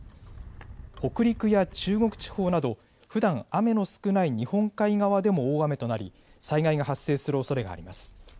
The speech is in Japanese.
北陸や中国地方などふだん雨の少ない日本海側でも大雨となり災害が発生するおそれがあります。